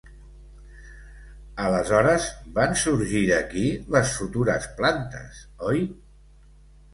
Aleshores van sorgir d'aquí les futures plantes, oi?